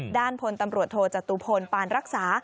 ด้านพลตำรวจโทจตุพลปานรักษา